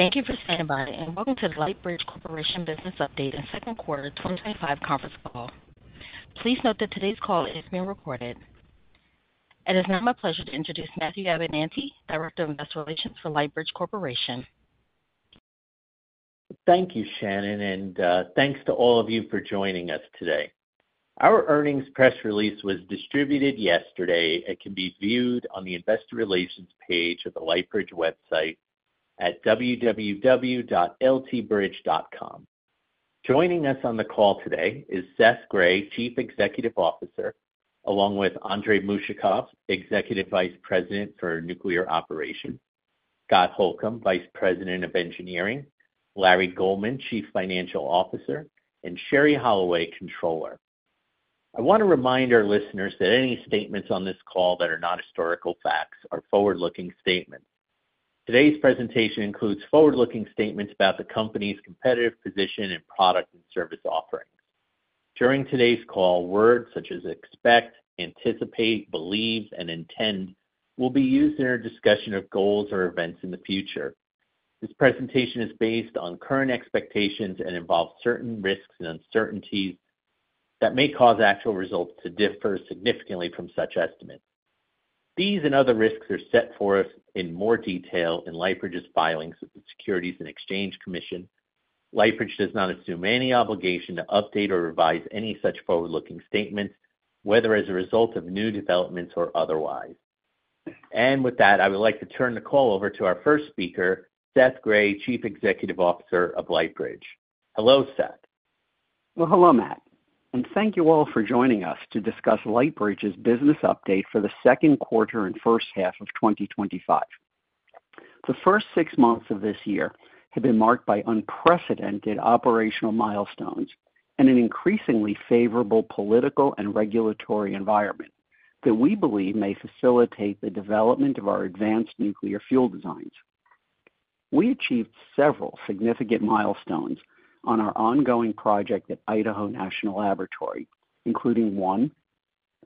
Thank you for standing by and welcome to the Lightbridge Corporation Business Update and the Second Quarter 2025 Conference Call. Please note that today's call is being recorded. It is now my pleasure to introduce Matthew Abenante, Director of Investor Relations for Lightbridge Corporation. Thank you, Shannon, and thanks to all of you for joining us today. Our earnings press release was distributed yesterday. It can be viewed on the Investor Relations page of the Lightbridge website at www.ltbridge.com. Joining us on the call today is Seth Grae, Chief Executive Officer, along with Andrey Mushakov, Executive Vice President, Nuclear Operations; Scott Holcombe, Vice President, Engineering; Larry Goldman, Chief Financial Officer; and Sherrie Holloway, Controller. I want to remind our listeners that any statements on this call that are not historical facts are forward-looking statements. Today's presentation includes forward-looking statements about the company's competitive position and product and service offering. During today's call, words such as "expect," "anticipate," "believe," and "intend" will be used in our discussion of goals or events in the future. This presentation is based on current expectations and involves certain risks and uncertainties that may cause actual results to differ significantly from such estimates. These and other risks are set forth in more detail in Lightbridge's filings with the Securities and Exchange Commission. Lightbridge does not assume any obligation to update or revise any such forward-looking statements, whether as a result of new developments or otherwise. I would like to turn the call over to our first speaker, Seth Grae, Chief Executive Officer of Lightbridge. Hello, Seth. Hello, Matt, and thank you all for joining us to discuss Lightbridge's business update for the second quarter and first half of 2025. The first six months of this year have been marked by unprecedented operational milestones and an increasingly favorable political and regulatory environment that we believe may facilitate the development of our advanced nuclear fuel designs. We achieved several significant milestones on our ongoing project at Idaho National Laboratory, including: one,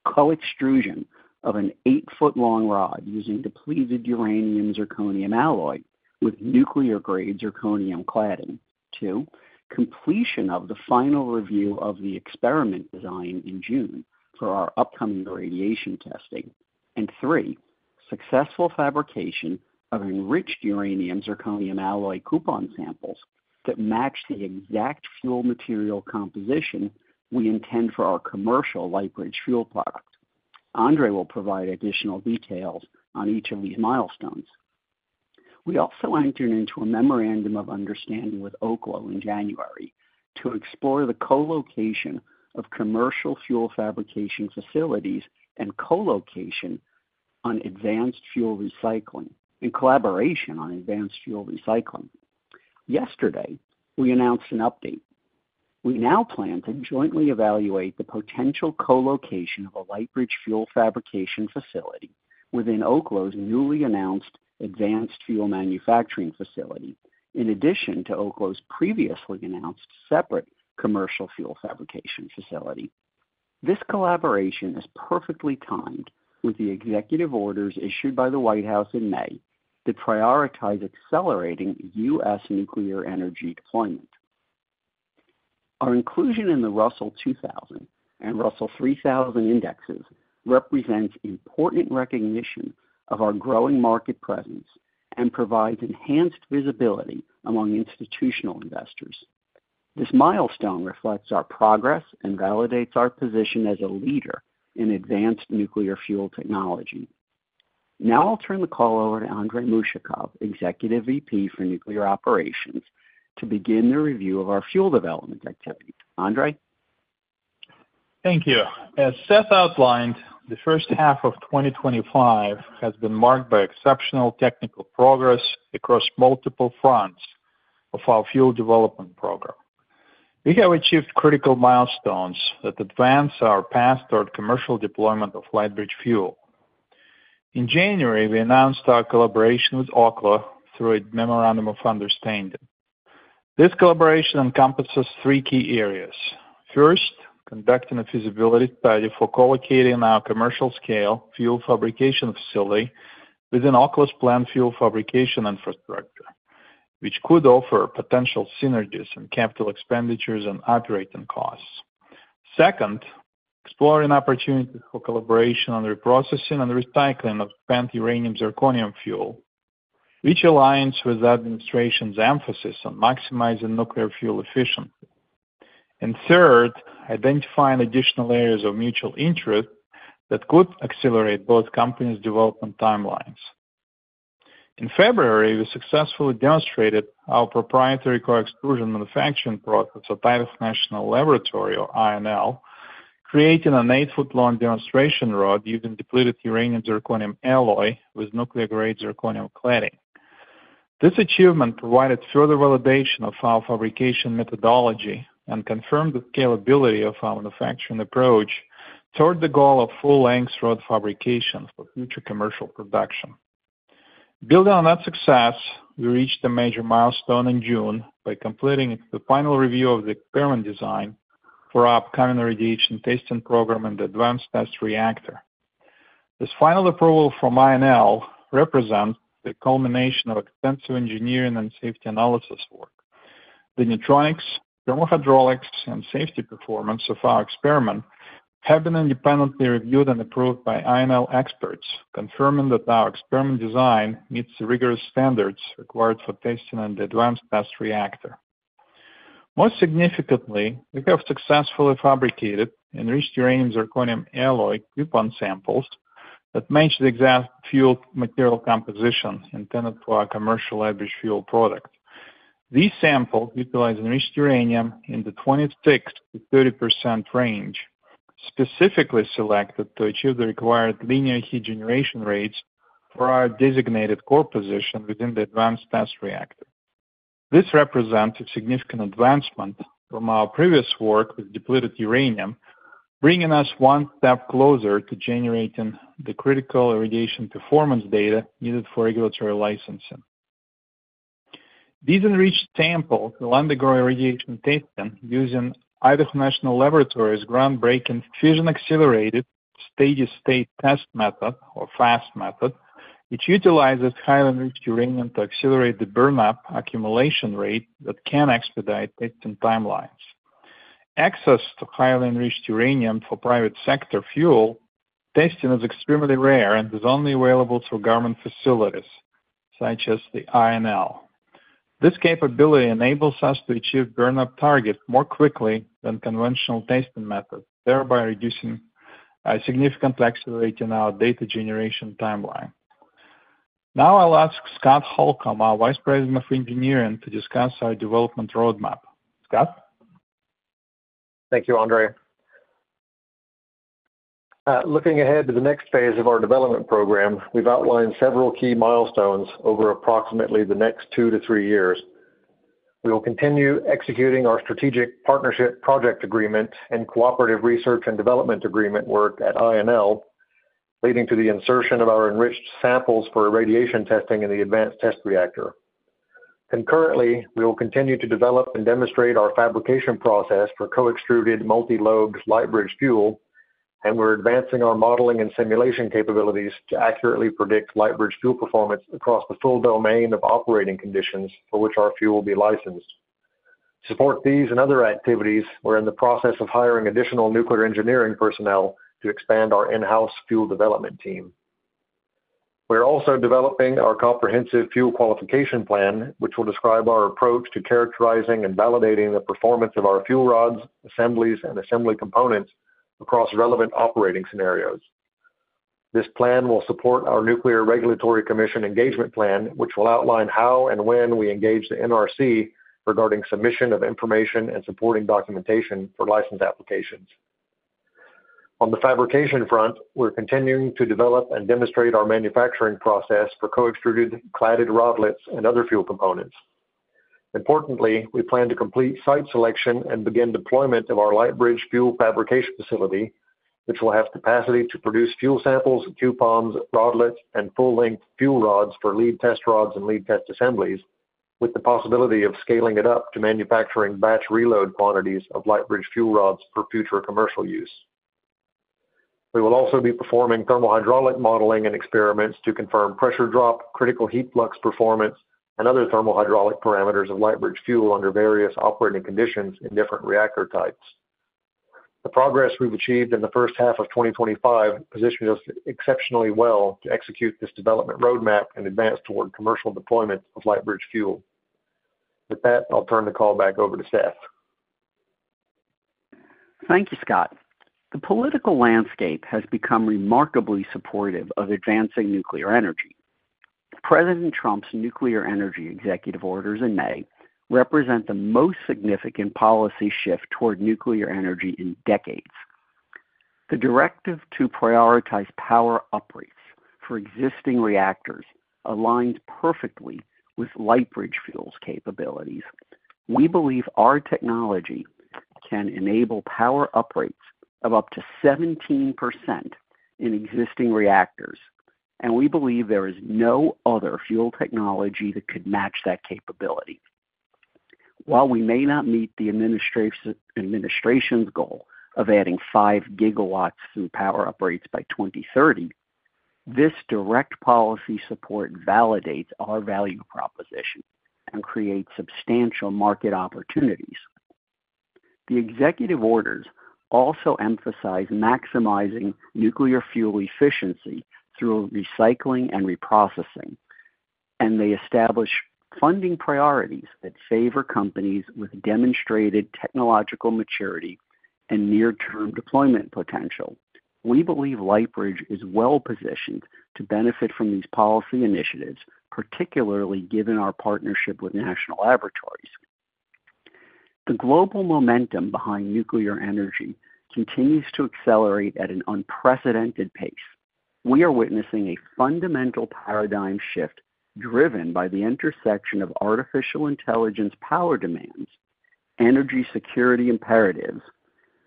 co-extrusion of an eight-foot-long rod using depleted uranium-zirconium alloy with nuclear-grade zirconium cladding; two, completion of the final review of the experiment design in June for our upcoming irradiation testing; and three, successful fabrication of enriched uranium-zirconium alloy coupon samples that match the exact fuel material composition we intend for our commercial Lightbridge Fuel product. Andrey will provide additional details on each of these milestones. We also entered into a memorandum of understanding with Oklo in January to explore the co-location of commercial fuel fabrication facilities and collaboration on advanced fuel recycling. Yesterday, we announced an update. We now plan to jointly evaluate the potential co-location of a Lightbridge fuel fabrication facility within Oklo's newly announced advanced fuel manufacturing facility, in addition to Oklo's previously announced separate commercial fuel fabrication facility. This collaboration is perfectly timed with the executive orders issued by the White House in May that prioritize accelerating U.S. nuclear energy deployment. Our inclusion in the Russell 2000 and Russell 3000 Indexes represents important recognition of our growing market presence and provides enhanced visibility among institutional investors. This milestone reflects our progress and validates our position as a leader in advanced nuclear fuel technology. Now I'll turn the call over to Andrey Mushakov, Executive Vice President for Nuclear Operations, to begin the review of our fuel development activities. Andrey? Thank you. As Seth outlined, the first half of 2025 has been marked by exceptional technical progress across multiple fronts of our fuel development program. We have achieved critical milestones that advance our path toward commercial deployment of Lightbridge Fuel. In January, we announced our collaboration with Oklo through a memorandum of understanding. This collaboration encompasses three key areas. First, conducting a feasibility study for co-locating our commercial-scale fuel fabrication facility within Oklo's planned fuel fabrication infrastructure, which could offer potential synergies in capital expenditures and operating costs. Second, exploring opportunities for collaboration on reprocessing and recycling of enriched uranium-zirconium fuel, which aligns with the administration's emphasis on maximizing nuclear fuel efficiency. Third, identifying additional areas of mutual interest that could accelerate both companies' development timelines. In February, we successfully demonstrated our proprietary co-extrusion manufacturing process at Idaho National Laboratory, or INL, creating an eight-foot-long demonstration rod using depleted uranium-zirconium alloy with nuclear-grade zirconium cladding. This achievement provided further validation of our fabrication methodology and confirmed the scalability of our manufacturing approach toward the goal of full-length rod fabrication for future commercial production. Building on that success, we reached a major milestone in June by completing the final review of the experiment design for our upcoming irradiation testing program in the Advanced Test Reactor. This final approval from INL represents the culmination of extensive engineering and safety analysis work. The neutronics, thermohydraulics, and safety performance of our experiment have been independently reviewed and approved by INL experts, confirming that our experiment design meets the rigorous standards required for testing in the Advanced Test Reactor. Most significantly, we have successfully fabricated enriched uranium-zirconium alloy coupon samples that match the exact fuel material composition intended for our commercial Lightbridge Fuel product. These samples utilize enriched uranium in the 26%-30% range, specifically selected to achieve the required linear heat generation rates for our designated core position within the Advanced Test Reactor. This represents a significant advancement from our previous work with depleted uranium, bringing us one step closer to generating the critical irradiation performance data needed for regulatory licensing. These enriched samples will undergo irradiation testing using Idaho National Laboratory's groundbreaking Fission Accelerated Steady-state Test Method, or FAST method, which utilizes highly enriched uranium to accelerate the burn-up accumulation rate that can expedite testing timelines. Access to highly enriched uranium for private sector fuel testing is extremely rare and is only available through government facilities such as INL. This capability enables us to achieve burn-up targets more quickly than conventional testing methods, thereby resulting in a significant acceleration in our data generation timeline. Now I'll ask Scott Holcombe, our Vice President, Engineering, to discuss our development roadmap. Scott. Thank you, Andrey. Looking ahead to the next phase of our development program, we've outlined several key milestones over approximately the next two to three years. We will continue executing our Strategic Partnership Project Agreement and Cooperative Research and Development Agreement work at INL, leading to the insertion of our enriched samples for irradiation testing in the Advanced Test Reactor. Concurrently, we will continue to develop and demonstrate our fabrication process for co-extruded multi-lobed Lightbridge Fuel, and we're advancing our modeling and simulation capabilities to accurately predict Lightbridge Fuel performance across the full domain of operating conditions for which our fuel will be licensed. To support these and other activities, we're in the process of hiring additional nuclear engineering personnel to expand our in-house fuel development team. We're also developing our comprehensive fuel qualification plan, which will describe our approach to characterizing and validating the performance of our fuel rods, assemblies, and assembly components across relevant operating scenarios. This plan will support our Nuclear Regulatory Commission engagement plan, which will outline how and when we engage the NRC regarding submission of information and supporting documentation for license applications. On the fabrication front, we're continuing to develop and demonstrate our manufacturing process for co-extruded cladded rodlets and other fuel components. Importantly, we plan to complete site selection and begin deployment of our Lightbridge Fuel fabrication facility, which will have capacity to produce fuel samples, coupons, rodlets, and full-length fuel rods for lead test rods and lead test assemblies, with the possibility of scaling it up to manufacturing batch reload quantities of Lightbridge Fuel rods for future commercial use. We will also be performing thermohydraulic modeling and experiments to confirm pressure drop, critical heat flux performance, and other thermohydraulic parameters of Lightbridge Fuel under various operating conditions in different reactor types. The progress we've achieved in the first half of 2025 positions us exceptionally well to execute this development roadmap and advance toward commercial deployment of Lightbridge Fuel. With that, I'll turn the call back over to Seth. Thank you, Scott. The political landscape has become remarkably supportive of advancing nuclear energy. President Trump's nuclear energy executive orders in May represent the most significant policy shift toward nuclear energy in decades. The directive to prioritize power uprates for existing reactors aligns perfectly with Lightbridge Fuel's capabilities. We believe our technology can enable power uprates of up to 17% in existing reactors, and we believe there is no other fuel technology that could match that capability. While we may not meet the administration's goal of adding 5 GW through power uprates by 2030, this direct policy support validates our value proposition and creates substantial market opportunities. The executive orders also emphasize maximizing nuclear fuel efficiency through recycling and reprocessing, and they establish funding priorities that favor companies with demonstrated technological maturity and near-term deployment potential. We believe Lightbridge is well-positioned to benefit from these policy initiatives, particularly given our partnership with national laboratories. The global momentum behind nuclear energy continues to accelerate at an unprecedented pace. We are witnessing a fundamental paradigm shift driven by the intersection of artificial intelligence power demands, energy security imperatives,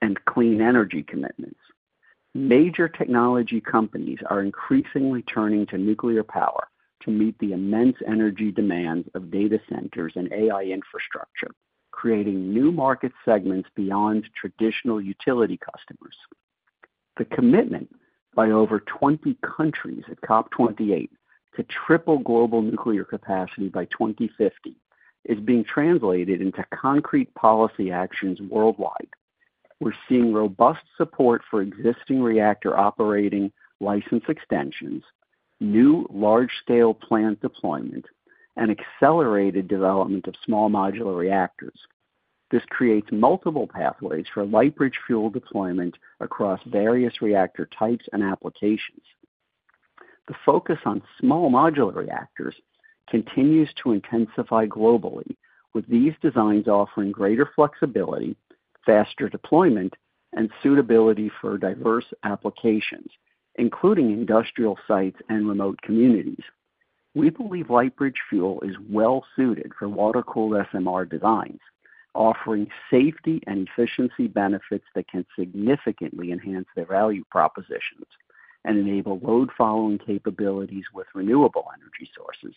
and clean energy commitments. Major technology companies are increasingly turning to nuclear power to meet the immense energy demands of data centers and AI infrastructure, creating new market segments beyond traditional utility customers. The commitment by over 20 countries at COP28 to triple global nuclear capacity by 2050 is being translated into concrete policy actions worldwide. We're seeing robust support for existing reactor operating license extensions, new large-scale plant deployment, and accelerated development of small modular reactors. This creates multiple pathways for Lightbridge Fuel deployment across various reactor types and applications. The focus on small modular reactors continues to intensify globally, with these designs offering greater flexibility, faster deployment, and suitability for diverse applications, including industrial sites and remote communities. We believe Lightbridge Fuel is well-suited for water-cooled small modular reactor designs, offering safety and efficiency benefits that can significantly enhance their value propositions and enable load-following capabilities with renewable energy sources.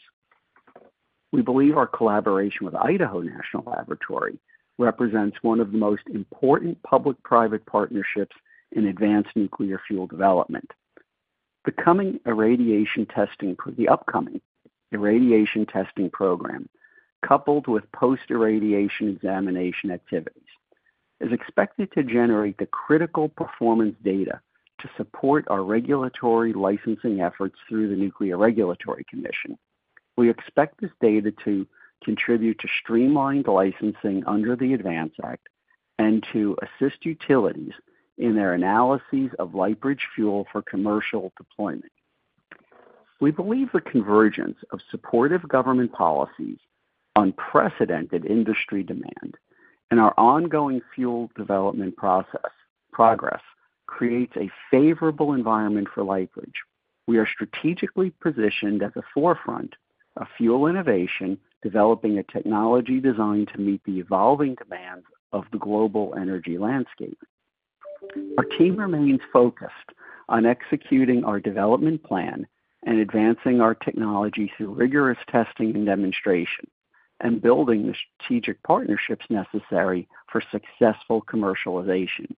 We believe our collaboration with Idaho National Laboratory represents one of the most important public-private partnerships in advanced nuclear fuel development. The upcoming irradiation testing program, coupled with post-irradiation examination activities, is expected to generate the critical performance data to support our regulatory licensing efforts through the Nuclear Regulatory Commission. We expect this data to contribute to streamlined licensing under the Advance Act and to assist utilities in their analyses of Lightbridge Fuel for commercial deployment. We believe the convergence of supportive government policies, unprecedented industry demand, and our ongoing fuel development progress creates a favorable environment for Lightbridge. We are strategically positioned at the forefront of fuel innovation, developing a technology designed to meet the evolving demands of the global energy landscape. Our team remains focused on executing our development plan and advancing our technology through rigorous testing and demonstration and building the strategic partnerships necessary for successful commercialization.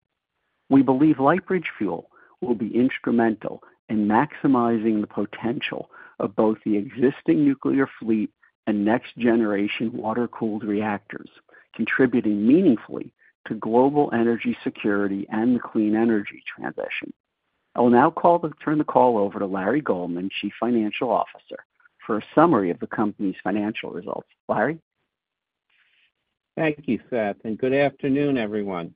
We believe Lightbridge Fuel will be instrumental in maximizing the potential of both the existing nuclear fleet and next-generation water-cooled reactors, contributing meaningfully to global energy security and the clean energy transition. I will now turn the call over to Larry Goldman, Chief Financial Officer, for a summary of the company's financial results. Larry? Thank you, Seth, and good afternoon, everyone.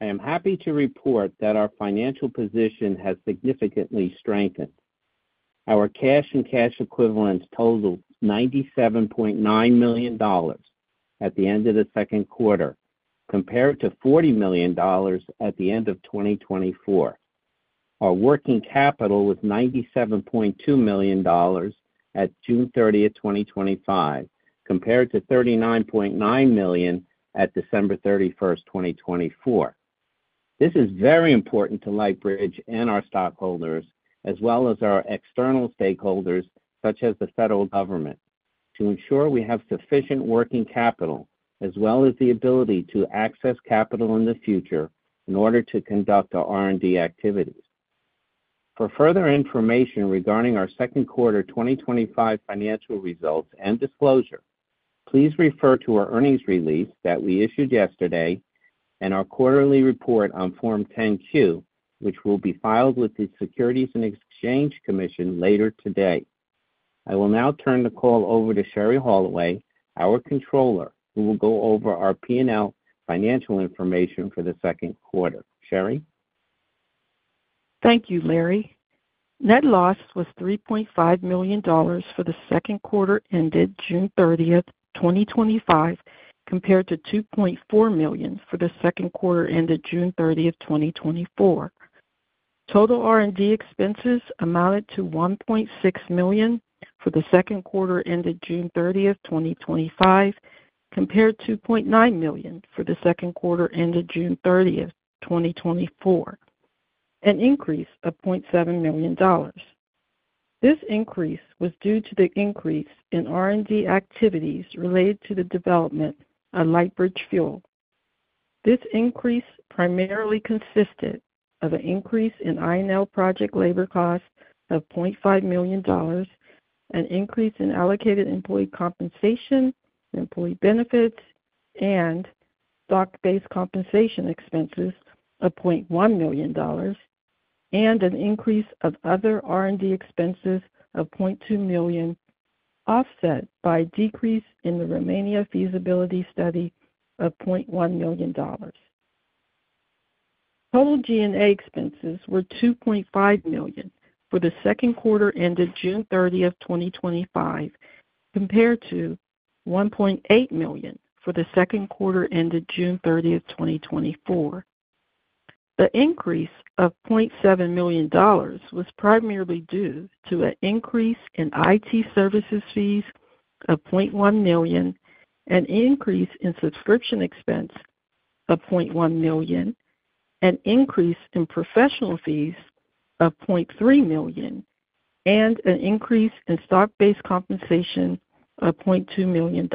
I am happy to report that our financial position has significantly strengthened. Our cash and cash equivalents totaled $97.9 million at the end of the second quarter, compared to $40 million at the end of 2024. Our working capital was $97.2 million at June 30, 2025, compared to $39.9 million at December 31, 2024. This is very important to Lightbridge and our stockholders, as well as our external stakeholders such as the federal government, to ensure we have sufficient working capital as well as the ability to access capital in the future in order to conduct our R&D activities. For further information regarding our second quarter 2025 financial results and disclosure, please refer to our earnings release that we issued yesterday and our quarterly report on Form 10-Q, which will be filed with the Securities and Exchange Commission later today. I will now turn the call over to Sherrie Holloway, our Controller, who will go over our P&L financial information for the second quarter. Sherrie? Thank you, Larry. Net loss was $3.5 million for the second quarter ended June 30, 2025, compared to $2.4 million for the second quarter ended June 30, 2024. Total R&D expenses amounted to $1.6 million for the second quarter ended June 30, 2025, compared to $2.9 million for the second quarter ended June 30, 2024, an increase of $0.7 million. This increase was due to the increase in R&D activities related to the development of Lightbridge Fuel. This increase primarily consisted of an increase in INL project labor costs of $0.5 million, an increase in allocated employee compensation and employee benefits, and stock-based compensation expenses of $0.1 million, and an increase of other R&D expenses of $0.2 million, offset by a decrease in the Romania feasibility study of $0.1 million. Total G&A expenses were $2.5 million for the second quarter ended June 30, 2025, compared to $1.8 million for the second quarter ended June 30, 2024. The increase of $0.7 million was primarily due to an increase in IT services fees of $0.1 million, an increase in subscription expense of $0.1 million, an increase in professional fees of $0.3 million, and an increase in stock-based compensation of $0.2 million.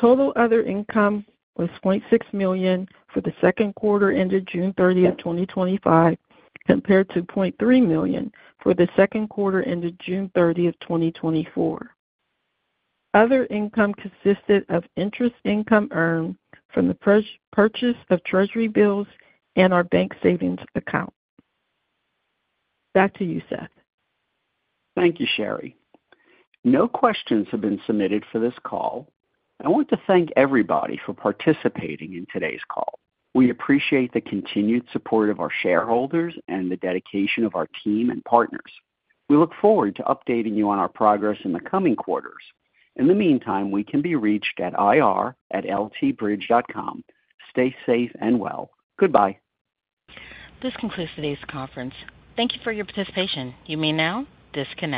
Total other income was $0.6 million for the second quarter ended June 30, 2025, compared to $0.3 million for the second quarter ended June 30, 2024. Other income consisted of interest income earned from the purchase of treasury bills and our bank savings account. Back to you, Seth. Thank you, Sherrie. No questions have been submitted for this call. I want to thank everybody for participating in today's call. We appreciate the continued support of our shareholders and the dedication of our team and partners. We look forward to updating you on our progress in the coming quarters. In the meantime, we can be reached at ir@ltbridge.com. Stay safe and well. Goodbye. This concludes today's conference. Thank you for your participation. You may now disconnect.